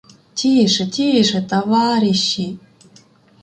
— Тіше, тіше, таваріщі.